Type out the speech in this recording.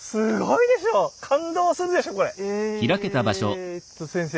えと先生。